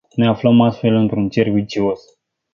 Ne aflăm astfel într-un cerc vicios.